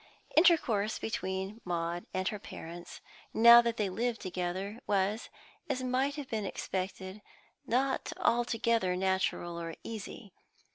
Intercourse between Maud and her parents, now that they lived together, was, as might have been expected, not altogether natural or easy.